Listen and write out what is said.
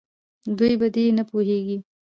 دوي په دې نپوهيږي